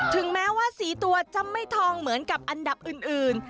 ถึงแม้ว่าสีตัวจะไม่ทองเหมือนกับอันดับอื่น